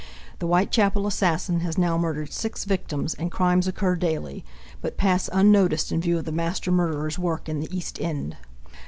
The Whitechapel assassin has now murdered six victims and crimes occur daily, but pass unnoticed in view of the master murderer's work in the East End.